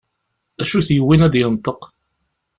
D acu i t-yewwin ad d-yenṭeq?